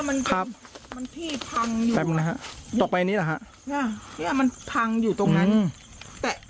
มันก็ไม่น่าจะตกเขาปิดฝาเจ้าป้าก็สงสัย